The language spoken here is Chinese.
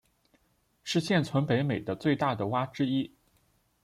是现存北美的最大的蛙之一。